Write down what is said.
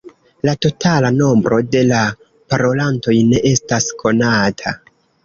La totala nombro de la parolantoj ne estas konata.